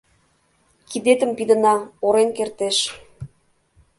— Кидетым пидына, орен кертеш.